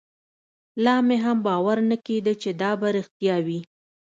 لا مې هم باور نه کېده چې دا به رښتيا وي.